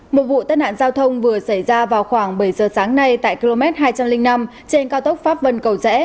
một vụ tai nạn giao thông vừa xảy ra vào khoảng bảy giờ sáng nay tại km hai trăm linh năm trên cao tốc pháp vân cầu rẽ